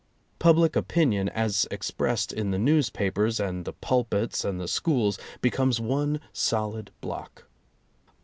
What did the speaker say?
Public opinion, as expressed in the newspapers, and the pulpits and the schools, becomes one solid block.